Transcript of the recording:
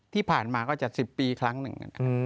ที่ผ่านมาก็จะ๑๐ปีครั้งหนึ่ง